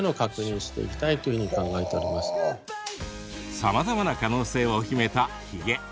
さまざまな可能性を秘めたヒゲ。